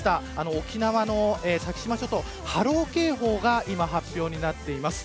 沖縄の先島諸島波浪警報が今発表になっています。